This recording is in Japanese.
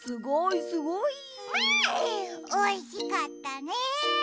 おいしかったね！